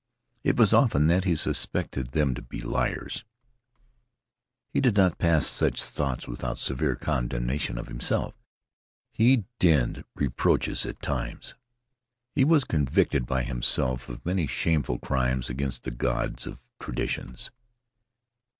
It was often that he suspected them to be liars. He did not pass such thoughts without severe condemnation of himself. He dinned reproaches at times. He was convicted by himself of many shameful crimes against the gods of traditions.